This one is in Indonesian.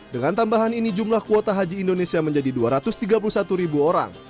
dengan tambahan ini jumlah kuota haji indonesia menjadi dua ratus tiga puluh satu ribu orang